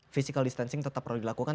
physical distancing tetap perlu dilakukan